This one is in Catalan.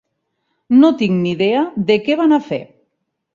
No tinc ni idea de què van a fer.